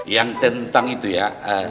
yang tentang itu ya